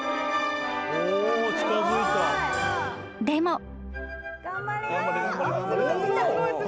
［でも］